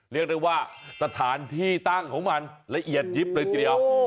เรียกได้ว่าสถานที่ตั้งของมันละเอียดยิบเลยทีเดียว